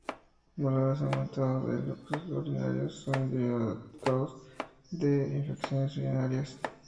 Valores aumentados de leucocitos urinarios son indicativos de infecciones urinarias.